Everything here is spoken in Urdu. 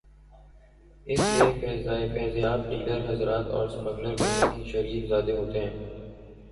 اس سے فیضیاب ڈیلر حضرات اور سمگلر قسم کے شریف زادے ہوتے ہیں۔